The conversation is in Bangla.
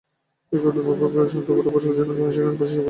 বিক্ষুব্ধ বক্ষকে শান্ত করিবার জন্য তাহাকে সেইখানে বসিয়া পড়িতে হইল।